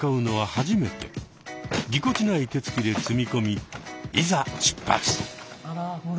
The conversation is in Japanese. ぎこちない手つきで積み込みいざ出発！